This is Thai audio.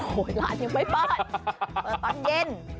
โอ้โหหลานยังไม่บ้านเปิดตอนเย็น